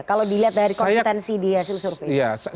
kalau dilihat dari kompetensi di hasil survei